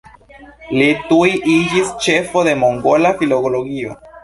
Li tuj iĝis ĉefo de mongola filologio.